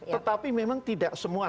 tetapi memang tidak semua